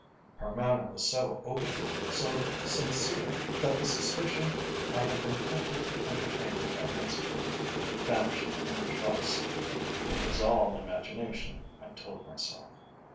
Her manner was so open, so sincere, that the suspicion I had been tempted to entertain against her vanished in a trice. It was all imagination, I told myself.